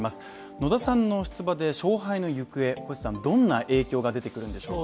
野田さんの出馬で、勝敗の行方どんな影響が出てくるんでしょうか。